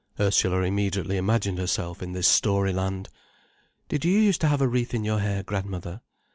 Ursula immediately imagined herself in this story land. "Did you used to have a wreath in your hair, grandmother?"